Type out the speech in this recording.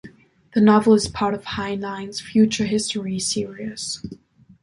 The novel is part of Heinlein's "Future History" series.